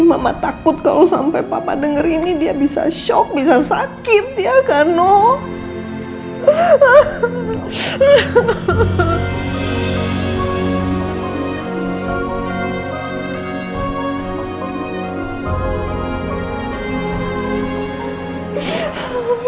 mama takut kalau sampai papa dengar ini dia bisa shock bisa sakit ya kano